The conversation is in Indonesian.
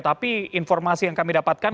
tapi informasi yang kami dapatkan